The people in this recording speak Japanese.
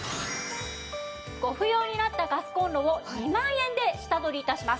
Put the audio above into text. ご不要になったガスコンロを２万円で下取り致します。